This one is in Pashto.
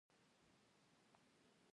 د ژوند لويه خوښي يې په غم بدله شوه.